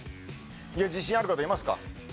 自信ある方いますか？